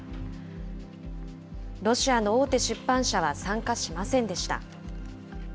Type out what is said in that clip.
ロシアの大手出版社は参加しませんでした。